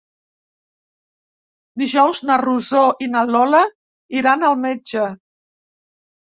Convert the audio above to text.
Dijous na Rosó i na Lola iran al metge.